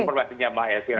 itu perbatasannya mbak alfira